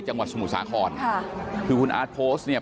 จังหวัดสมุทรสาครค่ะคือคุณอาร์ตโพสต์เนี่ย